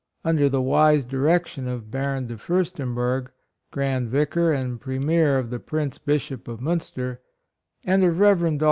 Un der the wise direction of Baron De Furstenberg, Grand Yicar and Premier of the Prince Bishop of Munster, and of Rev. Dr.